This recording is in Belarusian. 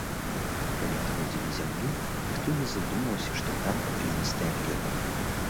Калі адводзілі зямлю, ніхто не задумаўся, што там гліністая глеба.